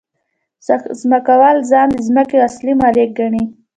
ځمکوال ځان د ځمکې اصلي مالک ګڼي